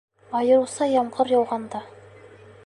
Айырыуса ямғыр яуғанда.